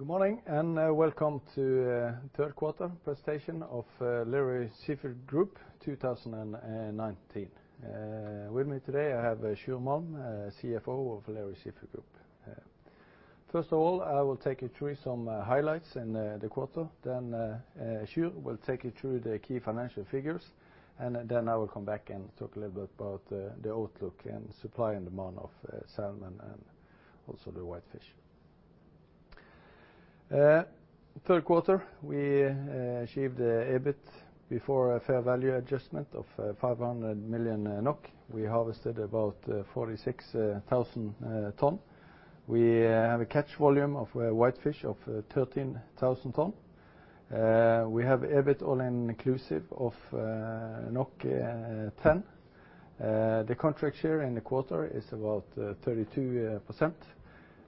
Good morning, and welcome to third quarter presentation of Lerøy Seafood Group 2019. With me today, I have Sjur Malm, CFO of Lerøy Seafood Group. First of all, I will take you through some highlights in the quarter, Sjur will take you through the key financial figures, I will come back and talk a little bit about the outlook and supply and demand of salmon and also the whitefish. Third quarter, we achieved EBIT before fair value adjustment of 500 million NOK. We harvested about 46,000 ton. We have a catch volume of whitefish of 13,000 ton. We have EBIT all-inclusive of 10. The contract share in the quarter is about 32%.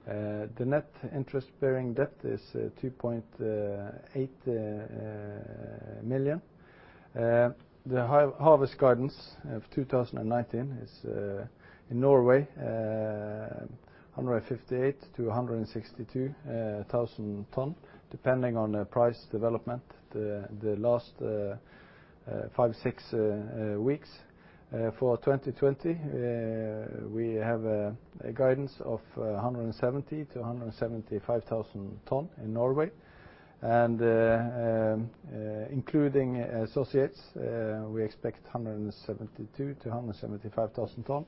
The net interest-bearing debt is 2.8 million. The harvest guidance of 2019 is in Norway, 158,000-162,000 ton, depending on the price development the last five, six weeks. For 2020, we have a guidance of 170,000-175,000 ton in Norway. Including associates, we expect 172,000-175,000 ton.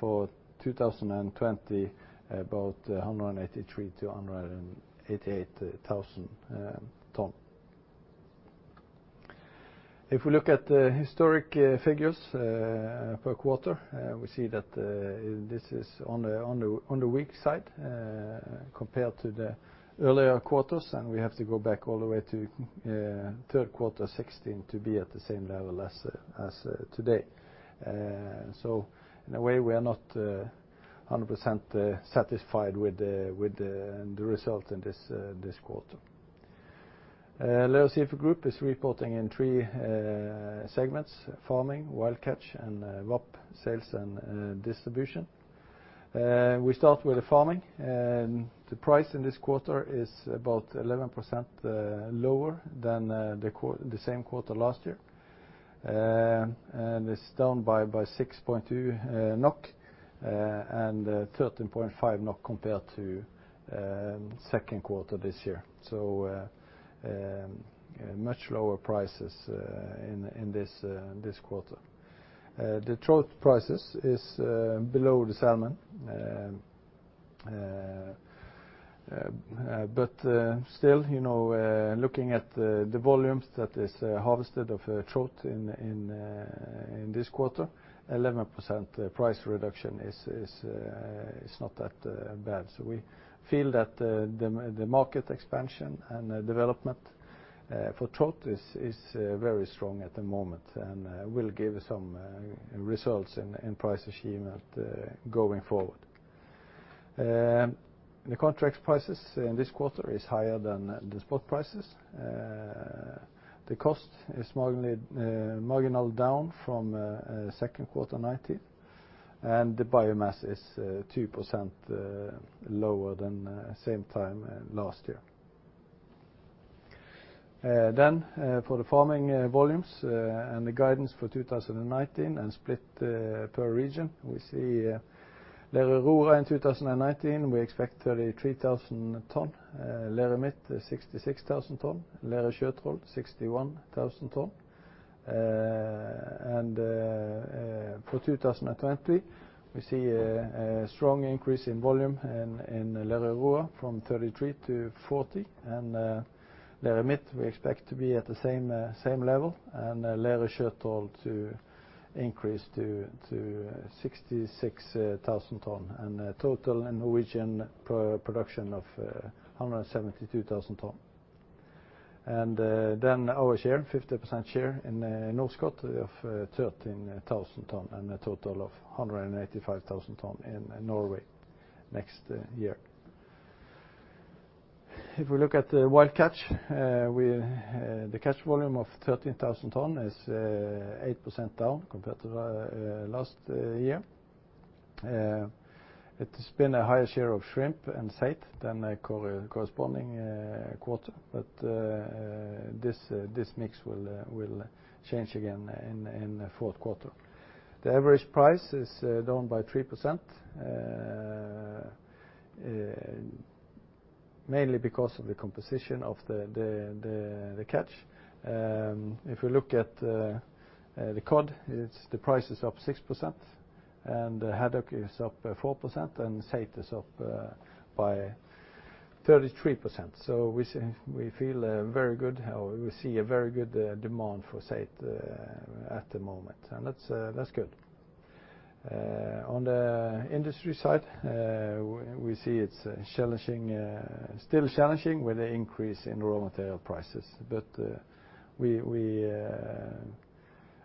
For 2020, about 183,000-188,000 ton. If we look at the historic figures per quarter, we see that this is on the weak side compared to the earlier quarters, and we have to go back all the way to third quarter 2016 to be at the same level as today. In a way, we are not 100% satisfied with the result in this quarter. Lerøy Seafood Group is reporting in three segments: farming, wild catch, and VAP, sales and distribution. We start with the farming. The price in this quarter is about 11% lower than the same quarter last year. It's down by 6.2 NOK and 13.5 NOK compared to Q2 this year, so much lower prices in this quarter. The trout prices is below the salmon. Still, looking at the volumes that is harvested of trout in this quarter, 11% price reduction is not that bad. We feel that the market expansion and the development for trout is very strong at the moment and will give some results in price achievement going forward. The contract prices in this quarter is higher than the spot prices. The cost is marginal down from second quarter 2019, and the biomass is 2% lower than same time last year. For the farming volumes and the guidance for 2019 and split per region, we see Lerøy Aurora in 2019, we expect 33,000 ton. Lerøy Midt, 66,000 ton. Lerøy Sjøtroll, 61,000 ton. For 2020, we see a strong increase in volume in Lerøy Aurora from 33,000-40,000 ton. Lerøy Midt, we expect to be at the same level and Lerøy Sjøtroll to increase to 66,000 ton and a total Norwegian production of 172,000 ton. Our share, 50% share in Norskott of 13,000 ton and a total of 185,000 ton in Norway next year. If we look at the wild catch, the catch volume of 13,000 ton is 8% down compared to last year. It has been a higher share of shrimp and saithe than corresponding quarter, but this mix will change again in fourth quarter. The average price is down by 3%, mainly because of the composition of the catch. If you look at the cod, the price is up 6%, and the haddock is up 4%, and saithe is up by 33%. We feel very good how we see a very good demand for saithe at the moment, and that's good. On the industry side, we see it's still challenging with the increase in raw material prices. We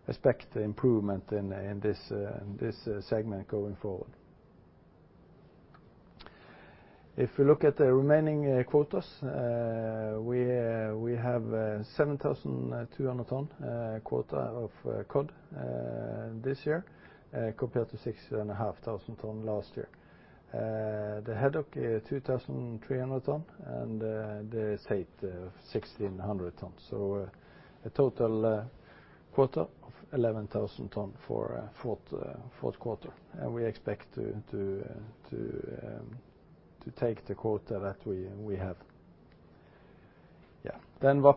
expect improvement in this segment going forward. If you look at the remaining quotas, we have 7,200 ton quota of cod this year, compared to 6,500 ton last year. The haddock is 2,300 ton and the saithe 1,600 ton. A total quota of 11,000 ton for fourth quarter. We expect to take the quota that we have. Yeah.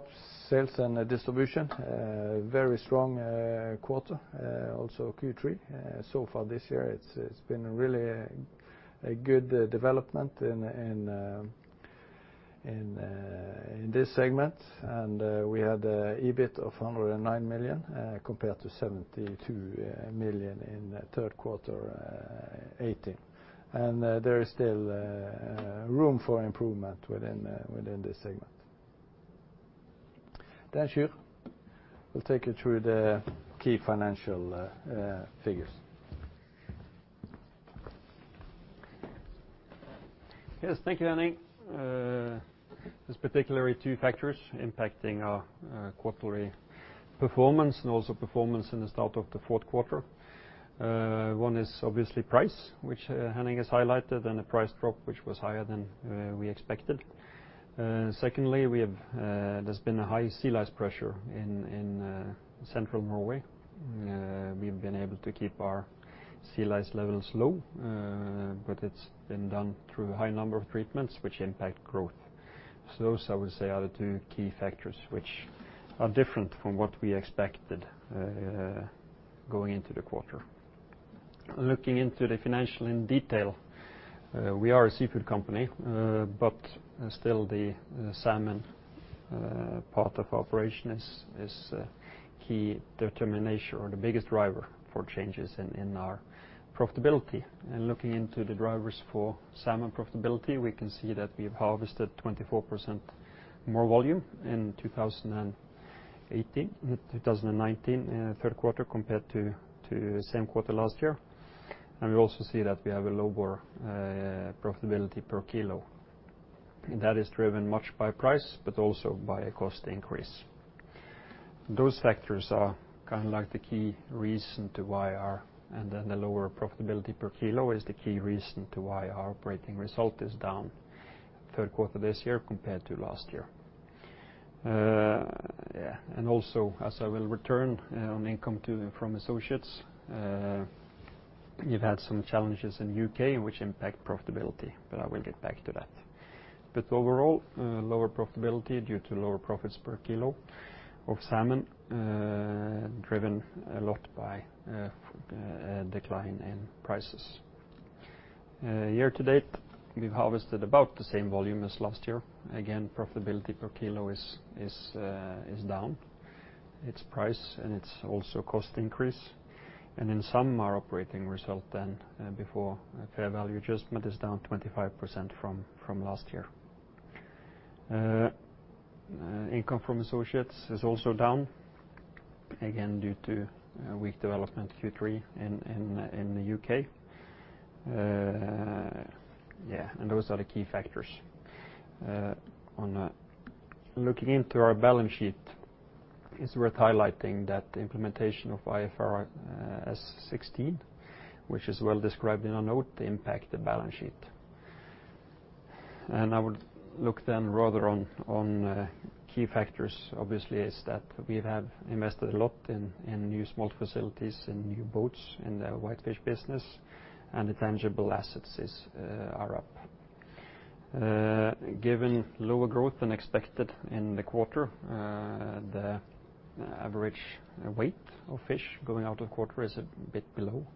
Sales and distribution. Very strong quarter also Q3. So far this year it's been really a good development in this segment. We had an EBIT of 109 million compared to 72 million in Q3 2018. There is still room for improvement within this segment. Sjur will take you through the key financial figures. Yes, thank you, Henning. There's particularly two factors impacting our quarterly performance, and also performance in the start of the fourth quarter. One is obviously price, which Henning has highlighted, and the price drop, which was higher than we expected. Secondly, there's been a high sea lice pressure in central Norway. We've been able to keep our sea lice levels low, but it's been done through high number of treatments which impact growth. Those, I would say, are the two key factors which are different from what we expected going into the quarter. Looking into the financial in detail, we are a seafood company, but still the salmon part of operation is a key determination or the biggest driver for changes in our profitability. Looking into the drivers for salmon profitability, we can see that we've harvested 24% more volume in 2019, third quarter, compared to same quarter last year. We also see that we have a lower profitability per kilo, and that is driven much by price but also by a cost increase. Those factors are kind of like the key reason to why our operating result is down third quarter this year compared to last year. Also, as I will return on income from associates, we've had some challenges in U.K. which impact profitability, I will get back to that. Overall, lower profitability due to lower profits per kilo of salmon, driven a lot by a decline in prices. Year to date, we've harvested about the same volume as last year. Again, profitability per kilo is down. It's price and it's also cost increase. In sum, our operating result then, before fair value adjustment, is down 25% from last year. Income from associates is also down, again, due to weak development Q3 in the U.K. Those are the key factors. Looking into our balance sheet, it's worth highlighting that the implementation of IFRS 16, which is well described in a note, impact the balance sheet. I would look then rather on key factors, obviously, is that we have invested a lot in new smolt facilities and new boats in the whitefish business, and the tangible assets are up. Given lower growth than expected in the quarter, the average weight of fish going out of quarter is a bit below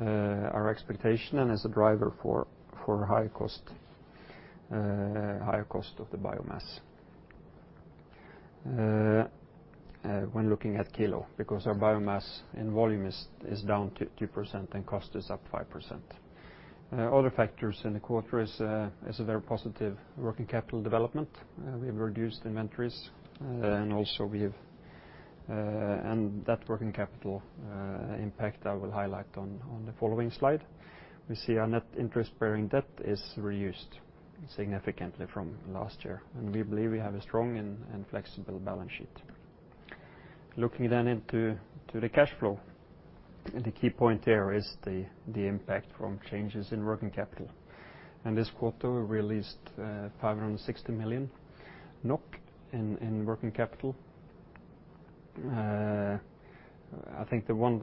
our expectation and is a driver for higher cost of the biomass. When looking at kilo, because our biomass in volume is down 2% and cost is up 5%. Other factors in the quarter is a very positive working capital development. We've reduced inventories and also that working capital impact I will highlight on the following slide. We see our net interest-bearing debt is reduced significantly from last year, and we believe we have a strong and flexible balance sheet. Looking into the cash flow, the key point there is the impact from changes in working capital. In this quarter, we released 560 million NOK in working capital. I think the one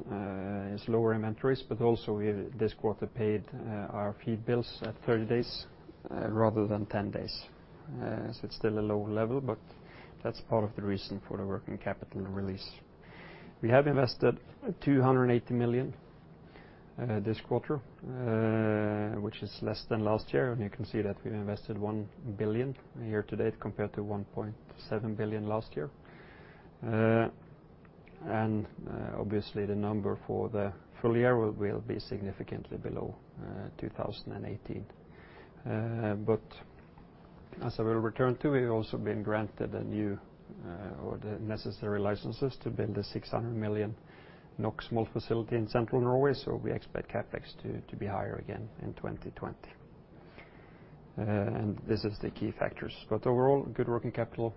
is lower inventories, but also this quarter paid our feed bills at 30 days rather than 10 days. It's still a low level, but that's part of the reason for the working capital release. We have invested 280 million this quarter, which is less than last year. You can see that we invested 1 billion here today compared to 1.7 billion last year. Obviously the number for the full year will be significantly below 2018. As I will return to, we've also been granted the necessary licenses to build a 600 million NOK smolt facility in Central Norway. We expect CapEx to be higher again in 2020. This is the key factors. Overall, good working capital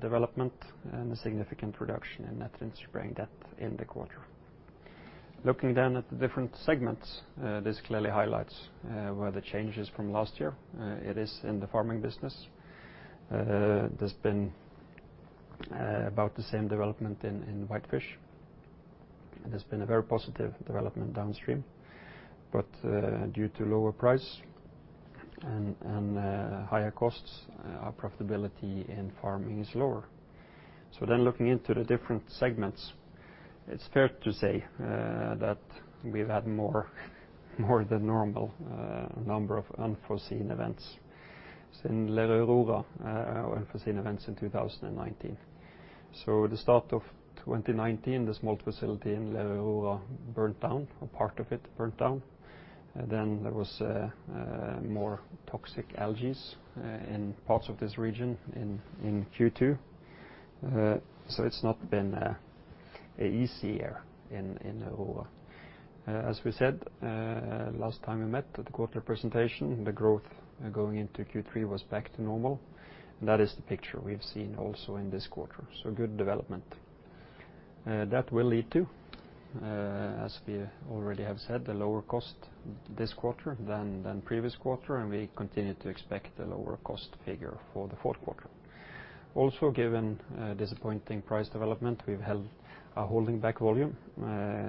development and a significant reduction in net interest-bearing debt in the quarter. Looking then at the different segments, this clearly highlights where the change is from last year. It is in the farming business. There's been about the same development in whitefish. There's been a very positive development downstream, but due to lower price and higher costs, our profitability in farming is lower. Looking into the different segments, it's fair to say that we've had more than normal number of unforeseen events in Lerøy Aurora, unforeseen events in 2019. At the start of 2019, the smolt facility in Lerøy Aurora burnt down, or part of it burnt down. There was more toxic algae in parts of this region in Q2. It's not been a easy year in Aurora. As we said last time we met at the quarter presentation, the growth going into Q3 was back to normal. That is the picture we've seen also in this quarter. Good development. That will lead to, as we already have said, the lower cost this quarter than previous quarter, and we continue to expect a lower cost figure for the fourth quarter. Also, given disappointing price development, we've held a holding back volume,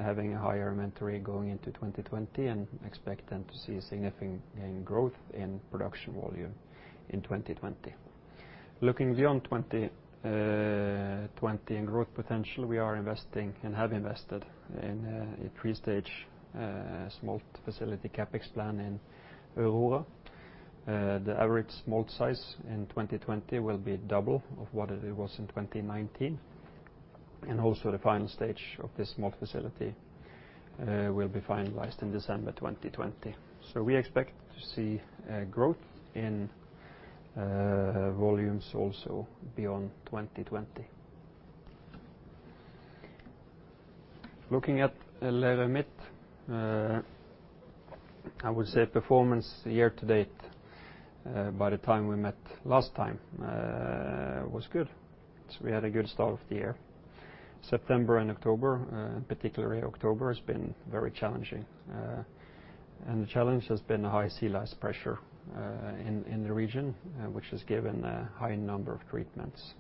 having a higher inventory going into 2020 and expecting to see significant growth in production volume in 2020. Looking beyond 2020 growth potential, we are investing and have invested in a three-stage smolt facility CapEx plan in Aurora. The average smolt size in 2020 will be double of what it was in 2019, and also the final stage of the smolt facility will be finalized in December 2020. We expect to see growth in volumes also beyond 2020. Looking at Lerøy Midt, I would say performance year to date, by the time we met last time, was good. We had a good start of the year. September and October, particularly October, has been very challenging. The challenge has been a high sea lice pressure in the region, which has given a high number of treatments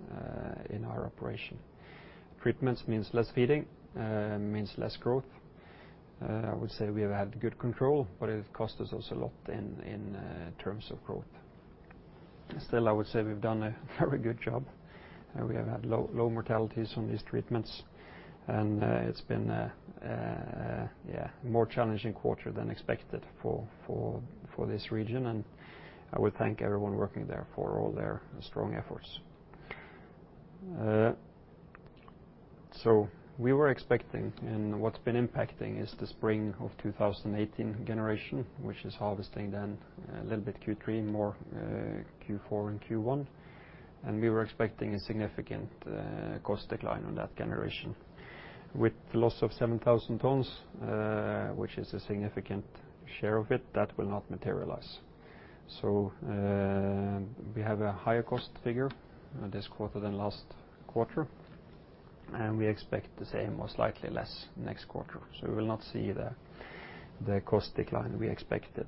in our operation. Treatments means less feeding, means less growth. I would say we've had good control, but it cost us also a lot in terms of growth. Still, I would say we've done a very good job, and we have had low mortalities on these treatments, and it's been a more challenging quarter than expected for this region. I would thank everyone working there for all their strong efforts. We were expecting and what's been impacting is the spring 2018 generation, which is harvesting then a little bit Q3 more, Q4 and Q1. We were expecting a significant cost decline on that generation. With the loss of 7,000 tons, which is a significant share of it, that will not materialize. We have a higher cost figure this quarter than last quarter, and we expect the same, most likely less, next quarter. We will not see the cost decline we expected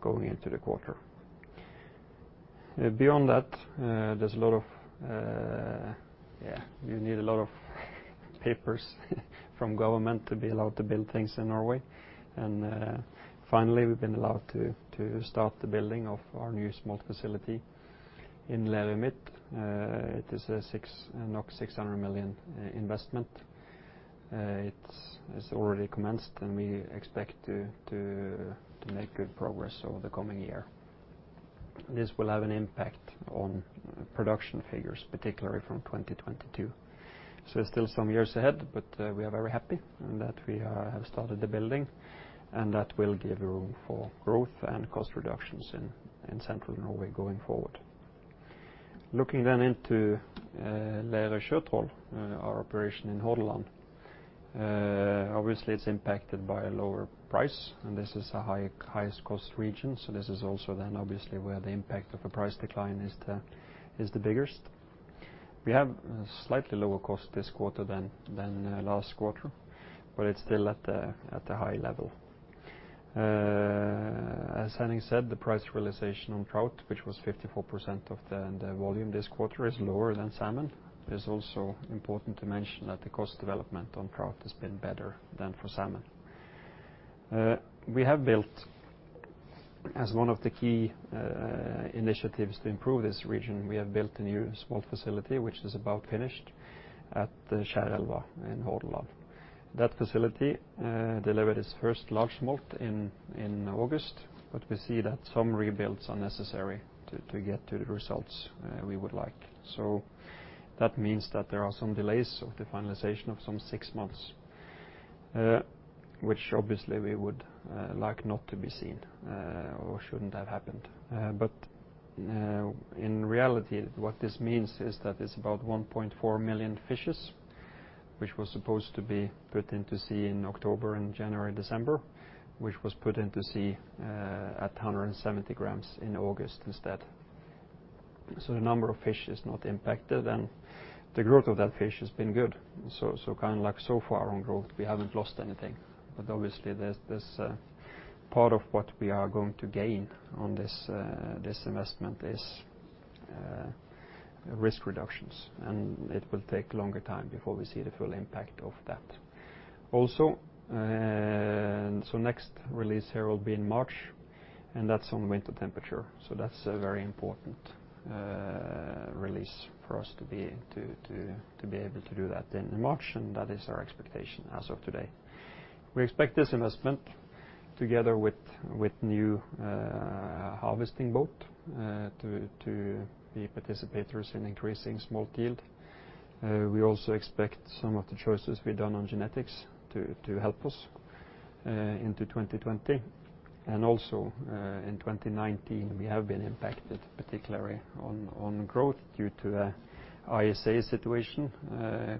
going into the quarter. Beyond that, you need a lot of papers from government to be allowed to build things in Norway, and finally, we've been allowed to start the building of our new smolt facility in Lerøy Midt. It is a 600 million investment. It's already commenced, and we expect to make good progress over the coming year. This will have an impact on production figures, particularly from 2022. Still some years ahead, but we are very happy that we have started the building, and that will give room for growth and cost reductions in Central Norway going forward. Looking then into Lerøy Sjøtroll, our operation in Hordaland. Obviously, it's impacted by a lower price, and this is a highest cost region, so this is also then obviously where the impact of the price decline is the biggest. We have slightly lower cost this quarter than last quarter, but it's still at the high level. As Henning said, the price realization on trout, which was 54% of the volume this quarter, is lower than salmon. It is also important to mention that the cost development on trout has been better than for salmon. As one of the key initiatives to improve this region, we have built a new smolt facility, which is about finished at Kjærelva in Hordaland. That facility delivered its first large smolt in August, but we see that some rebuilds are necessary to get the results we would like. That means that there are some delays of the finalization of some six months, which obviously we would like not to be seen or shouldn't have happened. In reality, what this means is that it's about 1.4 million fishes, which was supposed to be put into sea in October and January, December, which was put into sea at 170 g in August instead. The number of fish is not impacted, and the growth of that fish has been good. Far on growth, we haven't lost anything. Obviously, part of what we are going to gain on this investment is risk reductions, and it will take a longer time before we see the full impact of that. Also, next release here will be in March, and that's on winter temperature. That's a very important release for us to be able to do that in March, and that is our expectation as of today. We expect this investment together with new harvesting boat to be participators in increasing smolt yield. We also expect some of the choices we've done on genetics to help us into 2020. Also in 2019, we have been impacted particularly on growth due to ISA situation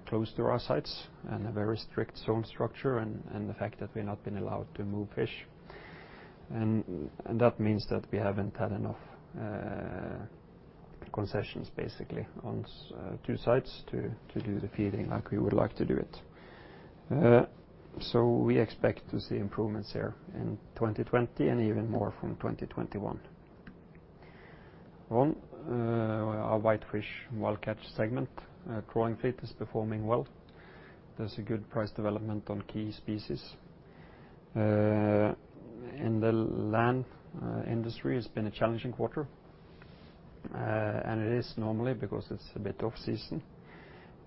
close to our sites and a very strict zone structure and the fact that we've not been allowed to move fish. That means that we haven't had enough concessions, basically, on two sites to do the feeding like we would like to do it. We expect to see improvements here in 2020 and even more from 2021. On our Whitefish Wild Catch segment, trawling fleet is performing well. There's a good price development on key species. In the land industry, it's been a challenging quarter, and it is normally because it's a bit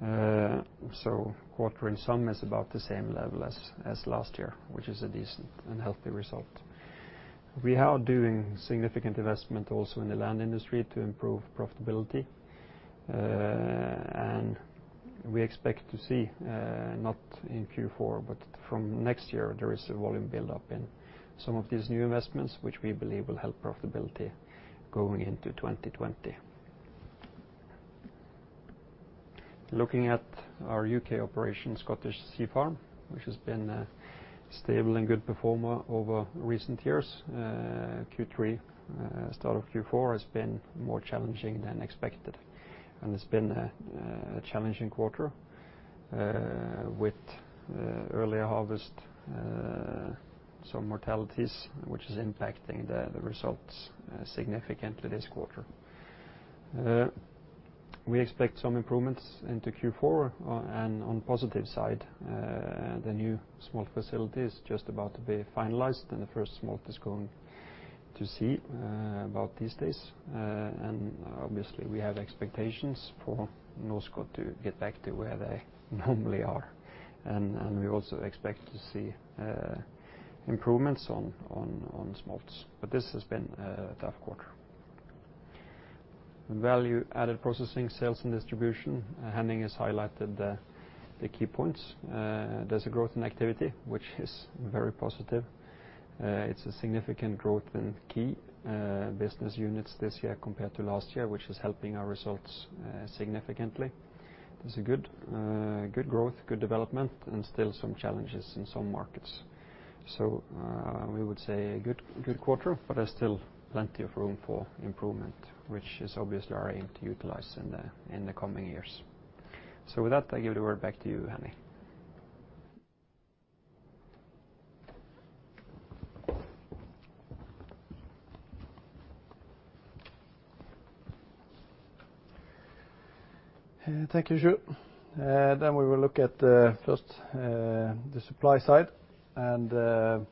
off-season. Quarter in sum is about the same level as last year, which is a decent and healthy result. We are doing significant investment also in the land industry to improve profitability. We expect to see, not in Q4, but from next year, there is a volume build-up in some of these new investments, which we believe will help profitability going into 2020. Looking at our U.K. operation, Scottish Sea Farms, which has been a stable and good performer over recent years. Q3, start of Q4 has been more challenging than expected, and it's been a challenging quarter with earlier harvest, some mortalities, which is impacting the results significantly this quarter. We expect some improvements into Q4, and on the positive side, the new smolt facility is just about to be finalized, and the first smolt is going to sea about these days. Obviously, we have expectations for Norskott to get back to where they normally are. We also expect to see improvements on smolts. This has been a tough quarter. Value-Added Processing, sales and distribution. Henning has highlighted the key points. There's a growth in activity, which is very positive. It's a significant growth in key business units this year compared to last year, which is helping our results significantly. There's a good growth, good development, and still some challenges in some markets. We would say a good quarter, but there's still plenty of room for improvement, which is obviously our aim to utilize in the coming years. With that, I give the word back to you, Henning. Thank you, Sjur. We'll look at first the supply side, and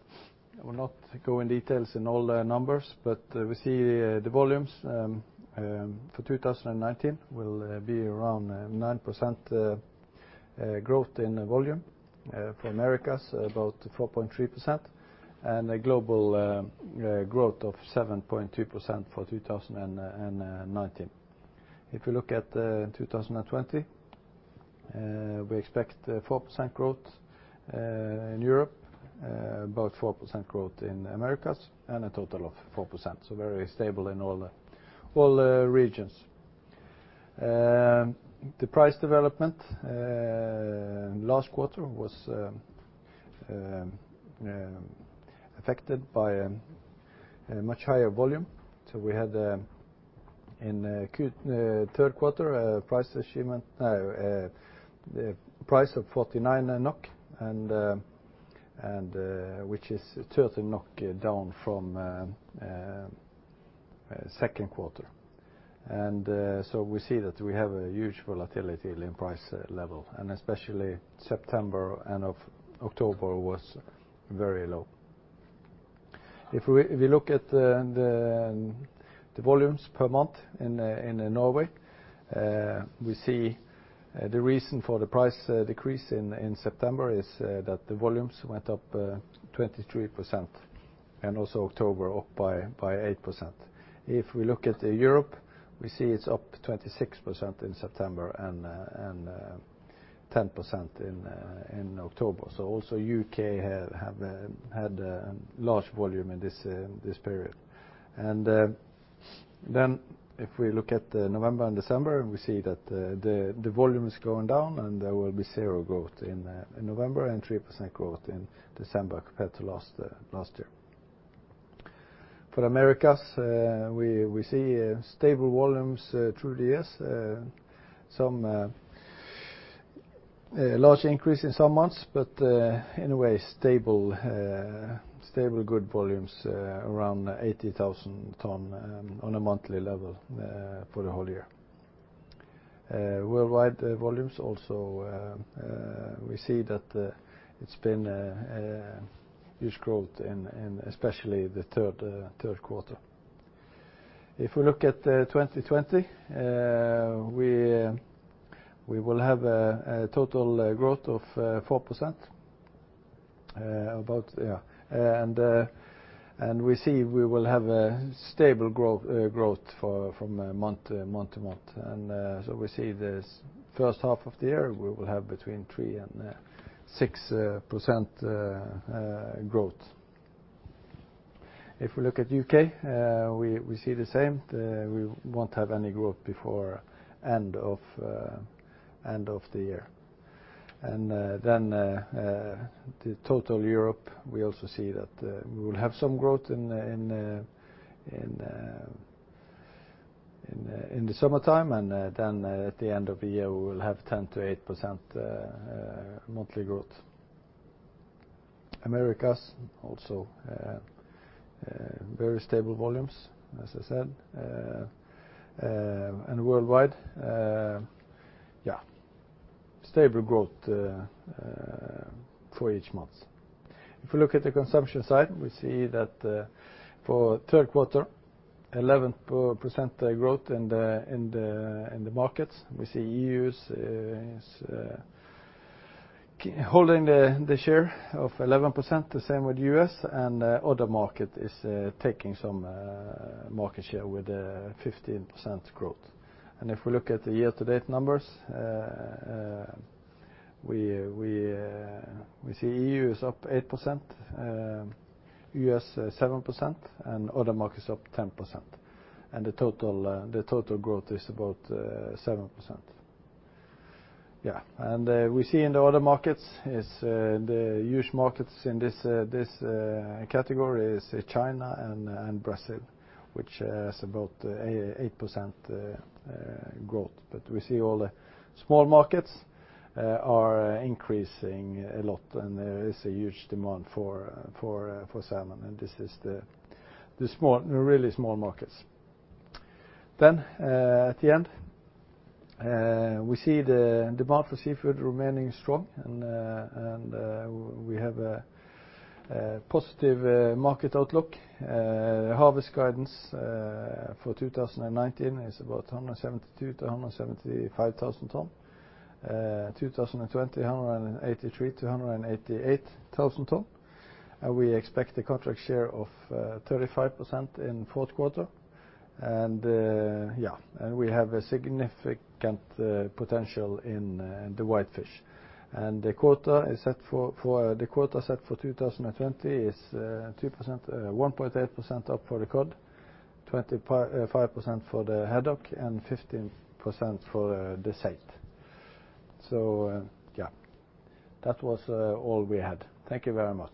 we'll not go in details in all the numbers, but we see the volumes for 2019 will be around 9% growth in volume. For Americas, about 4.3%, and a global growth of 7.2% for 2019. If you look at 2020, we expect 4% growth in Europe, about 4% growth in Americas, and a total of 4%. Very stable in all the regions. The price development last quarter was affected by a much higher volume. We had in the third quarter a price of 49 NOK, which is 13 NOK down from second quarter. We see that we have a huge volatility in price level, and especially September and October was very low. If we look at the volumes per month in Norway, we see the reason for the price decrease in September is that the volumes went up 23%. Also October up by 8%. If we look at Europe, we see it's up 26% in September and 10% in October. Also U.K. had a large volume in this period. Then if we look at November and December, we see that the volume is going down and there will be zero growth in November and 3% growth in December compared to last year. For Americas, we see stable volumes through the years, large increase in some months, but anyway, stable good volumes around 80,000 tons on a monthly level for the whole year. Worldwide volumes also, we see that it's been a huge growth in especially the third quarter. If we look at 2020, we will have a total growth of 4%. We see we will have a stable growth from month to month. We see this first half of the year, we will have between 3%-6% growth. If we look at U.K., we see the same. We won't have any growth before end of the year. The total Europe, we also see that we will have some growth in the summertime and then at the end of the year we will have 10%-8% monthly growth. Americas also very stable volumes, as I said. Worldwide, stable growth for each month. If you look at the consumption side, we see that for Q3, 11% growth in the markets. We see E.U.'s holding the share of 11%, the same with U.S., and other market is taking some market share with a 15% growth. If we look at the year-to-date numbers, we see E.U. is up 8%, U.S. 7%, and other market is up 10%. The total growth is about 7%. We see in the other markets, the huge markets in this category is China and Brazil, which has about 8% growth. We see all the small markets are increasing a lot and there is a huge demand for salmon. This is the really small markets. At the end, we see the demand for seafood remaining strong, and we have a positive market outlook. Harvest guidance for 2019 is about 172,000-175,000 tons. 2020, 183,000-188,000 tons. We expect a contract share of 35% in fourth quarter. We have a significant potential in the whitefish. The quota set for 2020 is 1.8% up for the cod, 25% for the haddock, and 15% for the saithe. That was all we had. Thank you very much.